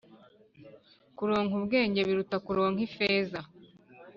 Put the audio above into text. kuronka ubwenge biruta kuronka ifeza